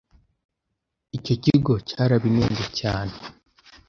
icyo kigo cyarabinenze cyane,